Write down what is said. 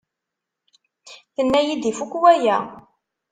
Tenna-iyi-d ifuk waya.